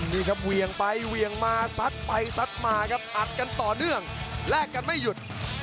นี่ครับเวียงไปเวียงมาซัดไปซัดมาครับอัดกันต่อเนื่องแลกกันไม่หยุด